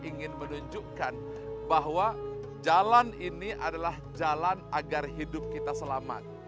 ingin menunjukkan bahwa jalan ini adalah jalan agar hidup kita selamat